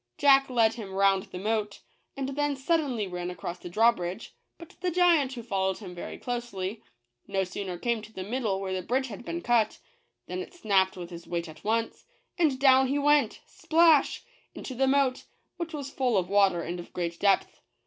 Jack led him lbO JACK THE GIANT KILLER. round the moat, and then suddenly ran across the draw bridge, but the giant, who followed him very closely, no sooner came to the middle where the bridge had been cut, than it snapped with his weight at once, and down he went — splash !— into the moat, which was full of water and of great depth.